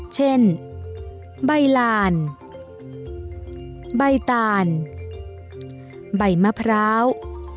เช่นใบลานใบตาลใบมะพร้าว